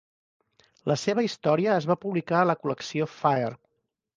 La seva història es va publicar a la col·lecció "Fire".